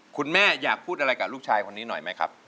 คุณแม่อยากพูดอะไรกับลูกชายคนนี้หน่อยไหมครับ